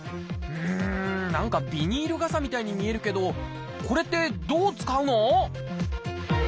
うん何かビニール傘みたいに見えるけどこれってどう使うの？